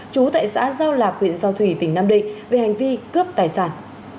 trú tại xã giao lạc huyện giao thủy tỉnh nam định về hành vi cướp tài sản